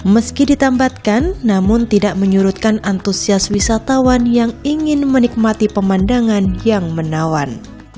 meski ditambatkan namun tidak menyurutkan antusias wisatawan yang ingin menikmati pemandangan yang menawan